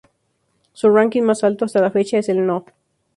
Su ránking más alto hasta la fecha es el No.